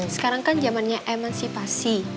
sekarang kan zamannya emansipasi